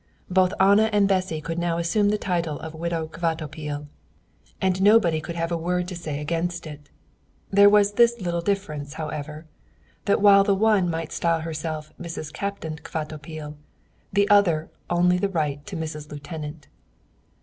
Both Anna and Bessy could now assume the title of Widow Kvatopil, and nobody could have a word to say against it. There was this little difference, however, that while the one might style herself Mrs. Captain Kvatopil, the other had only the right to Mrs. Lieutenant.